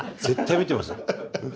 絶対見てますよ。